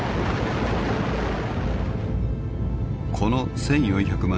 ［この１，４００万